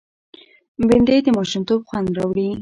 بېنډۍ د ماشومتوب خوند راوړي